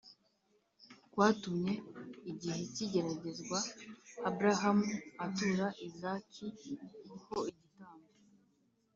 kwatumye igihe cy’igeragezwa abrahamu atura izaki ho igitambo